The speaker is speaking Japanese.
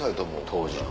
当時の。